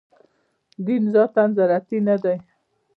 دین ذاتاً زراعتي نه دی.